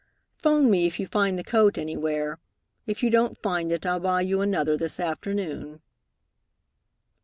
'Phone me if you find the coat anywhere. If you don't find it, I'll buy you another this afternoon."